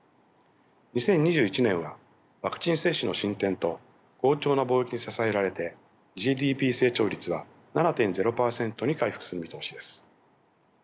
２０２１年はワクチン接種の進展と好調な貿易に支えられてＧＤＰ成長率は７．０％に回復する見通しです。